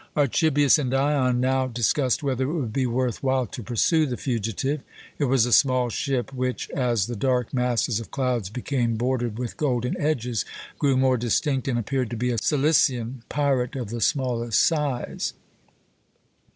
Archibius and Dion now discussed whether it would be worth while to pursue the fugitive. It was a small ship, which, as the dark masses of clouds became bordered with golden edges, grew more distinct and appeared to be a Cilician pirate of the smallest size.